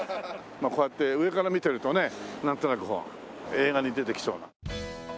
こうやって上から見てるとねなんとなくこう映画に出てきそうな。